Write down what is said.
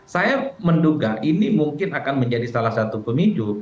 saya menduga ini mungkin akan menjadi salah satu pemicu